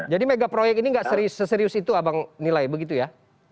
jadi mega proyek ini nggak seserius itu abang nilai begitu ya